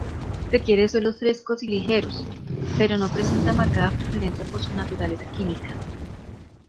Requiere suelos frescos y ligeros, pero no presenta marcada preferencia por su naturaleza química.